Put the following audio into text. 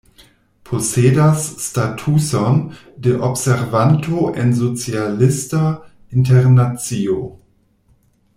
Posedas statuson de observanto en Socialista Internacio.